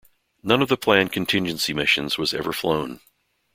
None of the planned contingency missions was ever flown.